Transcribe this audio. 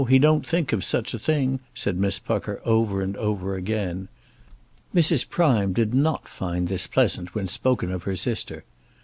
He don't think of such a thing," said Miss Pucker over and over again. Mrs. Prime did not find this pleasant when spoken of her sister.